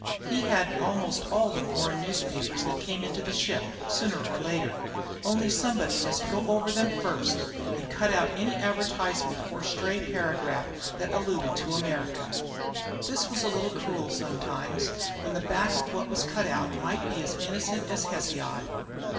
He had almost all the foreign papers that came into the ship, sooner or later; only somebody must go over them first, and cut out any advertisement or stray paragraph that alluded to America. This was a little cruel sometimes, when the back of what was cut out might be as innocent as Hesiod.